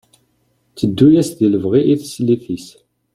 Tteddu-yas di lebɣi i teslit-is.